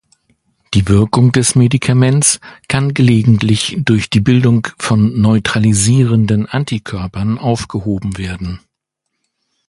Die Wirkung des Medikaments kann gelegentlich durch die Bildung von neutralisierenden Antikörpern aufgehoben werden.